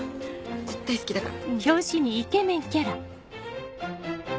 絶対好きだから。